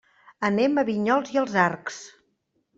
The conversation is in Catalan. Anem a Vinyols i els Arcs.